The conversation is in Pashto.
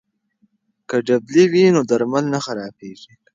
که ډبلي وي نو درمل نه خرابېږي.